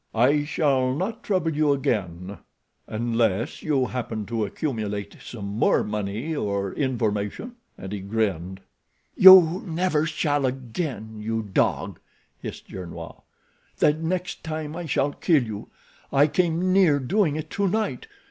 "I shall not trouble you again—unless you happen to accumulate some more money or information," and he grinned. "You never shall again, you dog!" hissed Gernois. "The next time I shall kill you. I came near doing it tonight.